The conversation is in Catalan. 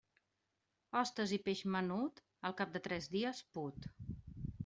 Hostes i peix menut, al cap de tres dies put.